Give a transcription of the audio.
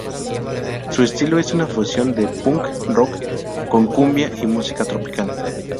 Su estilo es una fusión de punk rock con cumbia y música tropical.